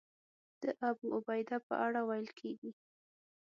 د ابوعبیده په اړه ویل کېږي.